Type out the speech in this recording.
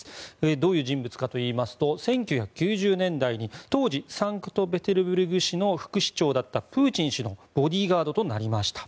どういう人物かといいますと１９９０年代に当時、サンクトペテルブルク市の副市長だったプーチン氏のボディーガードとなりました。